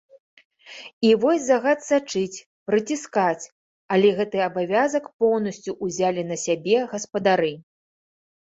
І вось загад сачыць, прыціскаць, але гэты абавязак поўнасцю ўзялі на сябе гаспадары.